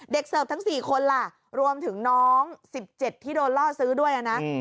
เสิร์ฟทั้ง๔คนล่ะรวมถึงน้อง๑๗ที่โดนล่อซื้อด้วยนะ